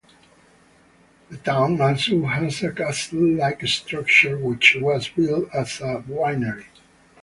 The town also has a castle-like structure which was built as a winery.